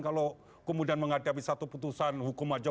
kalau kemudian menghadapi satu keputusan hukum saja